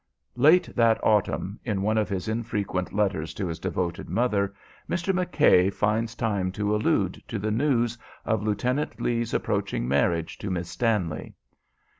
Late that autumn, in one of his infrequent letters to his devoted mother, Mr. McKay finds time to allude to the news of Lieutenant Lee's approaching marriage to Miss Stanley.